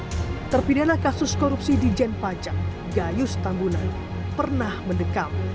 di blok a lapas gunung sindur terpindahkan kasus korupsi di jenpaca gayus tambunan pernah mendekam